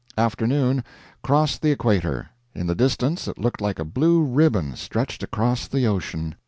Afternoon. Crossed the equator. In the distance it looked like a blue ribbon stretched across the ocean.